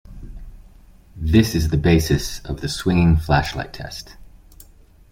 This is the basis of the "swinging-flashlight test".